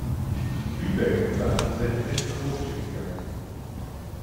Lübeck war in dieser Hinsicht großzügiger.